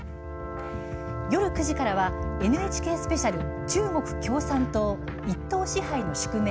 夜９時からは「ＮＨＫスペシャル中国共産党一党支配の宿命」。